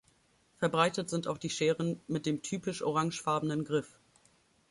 Verbreitet sind auch die Scheren mit dem typisch orangefarbenen Griff.